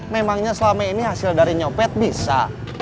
memangnya selama ini hasil dari nyopet bisa